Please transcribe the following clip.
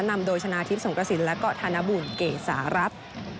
นำโดยชนะทิพย์สงกระศิลป์และก็ธนบุญเกษารักษ์